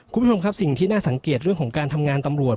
คุณผู้ชมครับสิ่งที่น่าสังเกตเรื่องของการทำงานตำรวจ